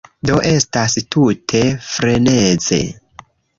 Do estas tute freneze.